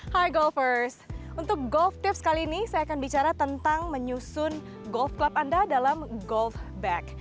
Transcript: hai golfers untuk golf tips kali ini saya akan bicara tentang menyusun golf club anda dalam golf bag